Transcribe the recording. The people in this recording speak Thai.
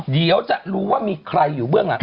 เดี๋ยวจะรู้ว่ามีใครอยู่เบื้องหลัง